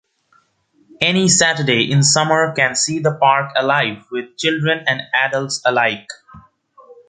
Any Saturday in summer can see the park alive with children and adults alike.